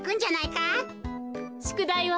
しゅくだいは？